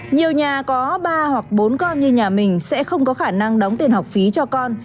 nhiều nhà có ba hoặc bốn con như nhà mình sẽ không có khả năng đóng tiền học phí cho con